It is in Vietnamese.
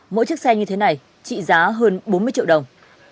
mỗi chiếc xe như thế này trị giá hơn bốn mươi triệu đồng